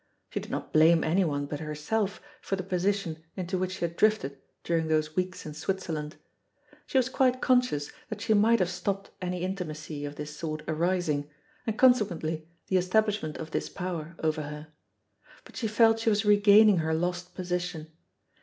She did not blame anyone but herself for the position into which she had drifted during those weeks in Switzerland. She was quite conscious that she might have stopped any intimacy of this sort arising, and consequently the establishment of this power over her. But she felt she was regaining her lost position.